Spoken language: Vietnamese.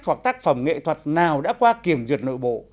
hoặc tác phẩm nghệ thuật nào đã qua kiểm duyệt nội bộ